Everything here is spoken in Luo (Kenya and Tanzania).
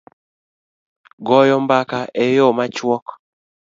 goyo mbaka e yo machuok